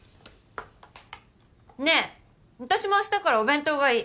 ねえ私もあしたからお弁当がいい。